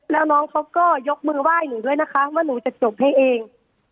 แล้วน้องเขาก็ยกมือไหว้หนูด้วยนะคะว่าหนูจะจบให้เอง